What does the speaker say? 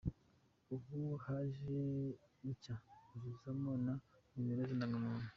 Ubu haje inshya buzuzamo na nimero z’indangamuntu.